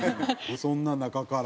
そんな中から？